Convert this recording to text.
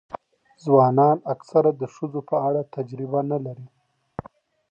ځوانان اکثره د ښځو په اړه تجربه نه لري.